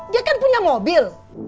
dia kan punya mobil